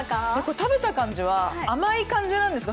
食べた感じは甘い感じなんですか？